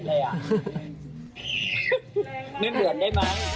หล่อมู่กนังหรือเดงและไม่พลาด